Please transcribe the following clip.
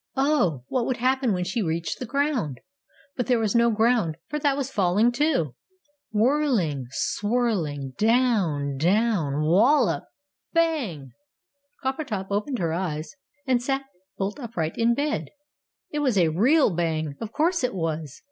Oh! what would happen when she reached the ground? But there was no ground, for that was falling, too! Whirling! Swirling! Down! DOWN! WALLOP! BANG!! Coppertop opened her eyes, and sat bolt upright in bed! "It was a REAL Bang! Of course it was!